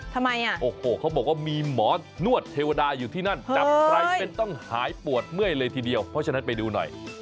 ทำไมอ่ะโอ้โหเขาบอกว่ามีหมอนวดเทวดาอยู่ที่นั่นจับใครเป็นต้องหายปวดเมื่อยเลยทีเดียวเพราะฉะนั้นไปดูหน่อย